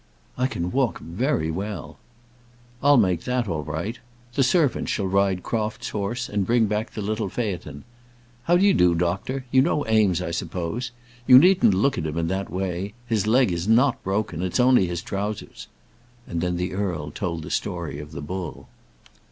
"I can walk very well." "I'll make that all right. The servant shall ride Crofts' horse, and bring back the little phaeton. How d'you do, doctor? You know Eames, I suppose? You needn't look at him in that way. His leg is not broken; it's only his trowsers." And then the earl told the story of the bull.